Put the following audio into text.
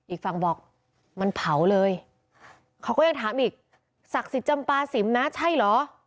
อีกฝั่งบอกมันเผาเลยเขาก็ยังถามอีกศักดิ์สิทธิ์จำปาสิมนะใช่เหรอ